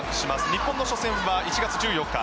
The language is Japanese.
日本の初戦は１月１４日。